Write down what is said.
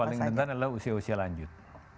paling rentan adalah usia usia lanjut